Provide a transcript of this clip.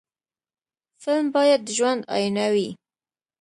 فلم باید د ژوند آیینه وي